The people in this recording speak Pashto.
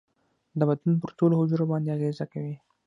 د بدن پر ټولو حجرو باندې اغیزه کوي.